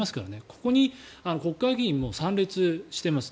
これに国会議員も参列しています。